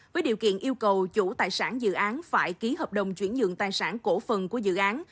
với điều kiện yêu cầu chủ tài sản dự án phải ký hợp đồng chuyển dựng tài sản cổ phần của dự án